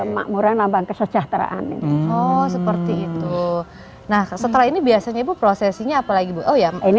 makmuran lambang kesejahteraan itu seperti itu nah setelah ini biasanya prosesinya apalagi oh ya ini